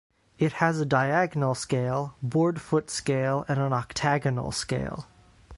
It has a diagonal scale, board foot scale and an octagonal scale.